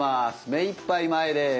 目いっぱい前です。